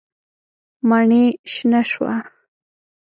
ماڼۍ شنه شوه.